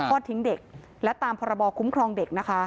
พ่อทิ้งเด็กและตามพบคุ้มครองเด็ก